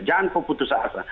jangan kau putus asa